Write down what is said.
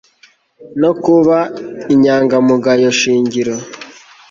no kuba inyangamugayo shingiro